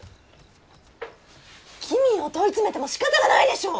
きみを問い詰めてもしかたがないでしょう！？